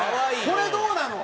これどうなの？